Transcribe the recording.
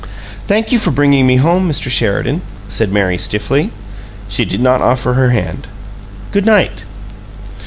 "Thank you for bringing me home, Mr. Sheridan," said Mary, stiffly. She did not offer her hand. "Good night."